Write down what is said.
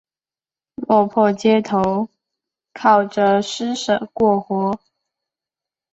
落魄街头靠著施舍过活